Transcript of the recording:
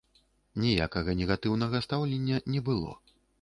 Ніякага негатыўнага стаўлення не было.